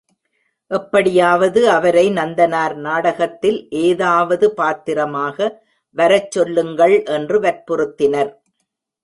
எப்படியாவது அவரை நந்தனார் நாடகத்தில் ஏதாவது பாத்திரமாக வரச் சொல்லுங்கள் என்று வற்புறுத்தினர்.